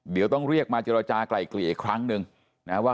เดี๋ยวต้องเรียกมาเจรจากลายเกลี่ยอีกครั้งนึงนะว่า